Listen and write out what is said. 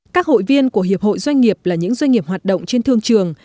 các hội viên của hiệp hội doanh nghiệp là những doanh nghiệp hoạt động trên thương trường